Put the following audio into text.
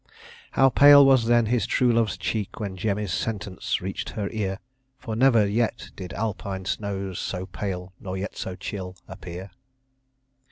How pale was then his true love's cheek When Jemmy's sentence reach'd her ear! For never yet did Alpine snows So pale nor yet so chill, appear.